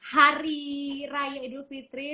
hari raya idul fitri